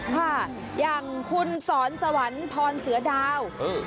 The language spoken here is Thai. ค่ะอย่างคุณสอนสวรรค์พรเสือดาว